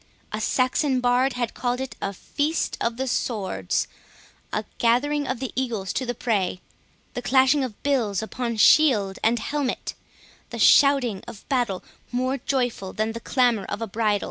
A Saxon bard had called it a feast of the swords—a gathering of the eagles to the prey—the clashing of bills upon shield and helmet, the shouting of battle more joyful than the clamour of a bridal.